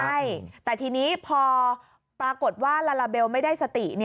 ใช่แต่ทีนี้พอปรากฏว่าลาลาเบลไม่ได้สติ